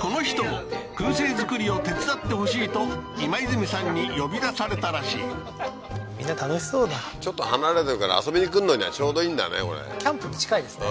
この人も燻製作りを手伝ってほしいと今泉さんに呼び出されたらしいみんな楽しそうだちょっと離れてるから遊びに来んのにはちょうどいいんだねこれキャンプに近いですね